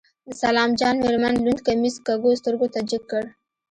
د سلام جان مېرمن لوند کميس کږو سترګو ته جګ کړ.